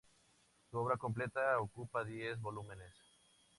Su obra completa ocupa diez volúmenes.